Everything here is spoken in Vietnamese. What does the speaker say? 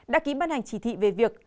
đã ký ban hành chỉ thị về việc